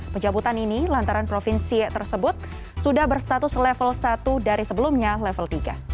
pencabutan ini lantaran provinsi tersebut sudah berstatus level satu dari sebelumnya level tiga